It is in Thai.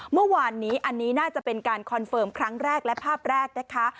เมื่อวานนี้อันนี้น่าจะเป็นการคอนเฟิร์มครั้งแรกและภาพแรกนะคะ